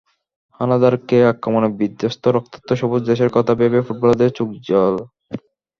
হানাদারকে আক্রমণে বিধ্বস্ত রক্তাক্ত সবুজ দেশের কথা ভেবে ফুটবলারদের চোখে জল।